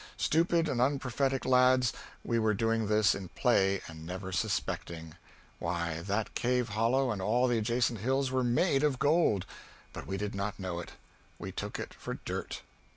Stupid and unprophetic lads! We were doing this in play and never suspecting. Why, that cave hollow and all the adjacent hills were made of gold! But we did not know it. We took it for dirt.